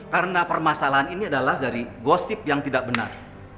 karena permasalahan ini adalah dari gosip yang tidak benar